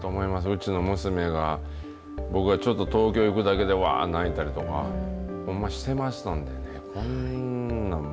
うちの娘が、僕がちょっと東京行くだけで、わー泣いたりとか、ほんましてましたんでね、こんなん